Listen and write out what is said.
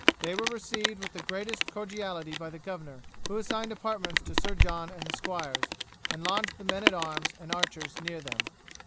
They were received with the greatest cordiality by the governor, who assigned apartments to Sir John and the squires, and lodged the men at arms and archers near them.